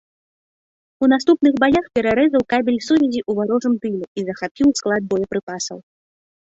У наступных баях перарэзаў кабель сувязі у варожым тыле і захапіў склад боепрыпасаў.